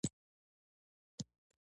د لیدل شوو تغیراتو لامل ولیکئ.